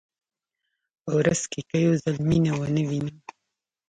په ورځ کې که یو ځل مینه ونه وینم.